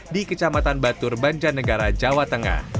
di kecamatan batur banja negara jawa tengah